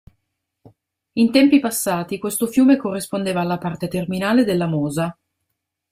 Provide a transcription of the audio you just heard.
In tempi passati questo fiume corrispondeva alla parte terminale della Mosa.